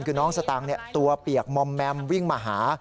คือน้องสตางค์ตัวเปียกมอมแมมวิ่งมาหา